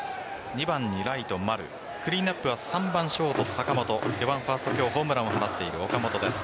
２番にライト・丸クリーンアップは３番ショート・坂本４番ファースト今日ホームラン放っている岡本です。